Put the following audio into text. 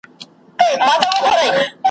«علامه» د یوې تاريخي